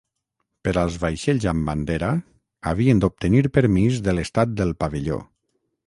Per als vaixells amb bandera havien d'obtenir permís de l'estat del pavelló.